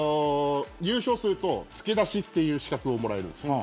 優勝すると付け出しという資格をもらえるんです。